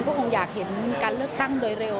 ก็คงอยากเห็นการเลือกตั้งโดยเร็ว